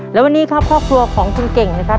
และวันนี้ครับครอบครัวของคุณเก่งนะครับ